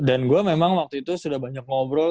dan gue memang waktu itu sudah banyak ngobrol